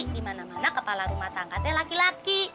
di mana mana kepala rumah tangganya laki laki